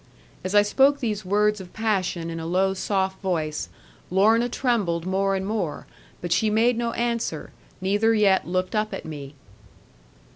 As I spoke these words of passion in a low soft voice, Lorna trembled more and more; but she made no answer, neither yet looked up at me.